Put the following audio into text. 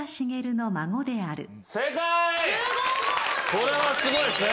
これはすごいですね。